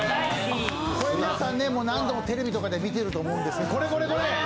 これ皆さん、何度もテレビとかで見てると思うんですけどこれこれこれ！